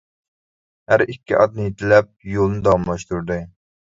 ھەر ئىككى ئاتنى يېتىلەپ يولىنى داۋاملاشتۇردى.